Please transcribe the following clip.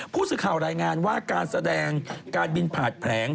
ผู้สื่อข่าวรายงานว่าการแสดงการบินผ่านแผลง